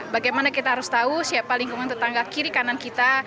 bagaimana kita harus tahu siapa lingkungan tetangga kiri kanan kita